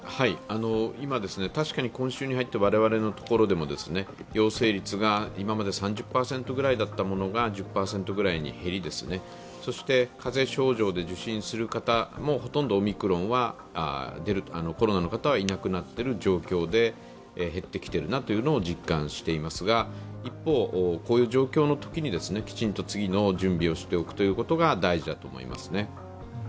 今、確かに今週に入って我々のところでも、陽性率が今まで３０％ぐらいだったものが１０％ぐらいに減りそして風邪症状で受診される方もほとんどコロナの方はいなくなっている状況で、減ってきているというのは実感していますが一方、こういう状況のときにきちんと次の準備をしておくということが大事だと思いますね。